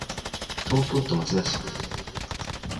東京都町田市